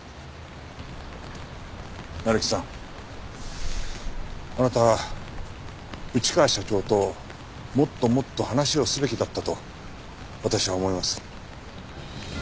成木さんあなた内川社長ともっともっと話をすべきだったと私は思います。